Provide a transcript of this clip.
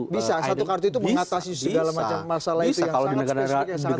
bisa satu kartu itu mengatasi segala macam masalah itu yang sangat spesifik